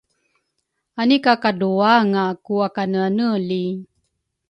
anika kadruanga ku akaneaneli?